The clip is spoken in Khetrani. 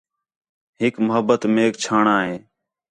ہِک محبت میک چھاݨاں ہے